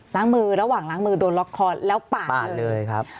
ล้างมือระหว่างล้างมือโดนล็อกคอแล้วปาดเลยครับ